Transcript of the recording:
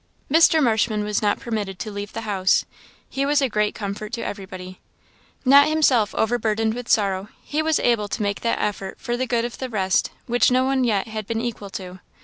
Mr. Marshman was not permitted to leave the house. He was a great comfort to everybody. Not himself overburdened with sorrow, he was able to make that effort for the good of the rest which no one yet had been equal to.